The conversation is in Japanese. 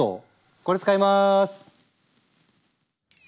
これ使います！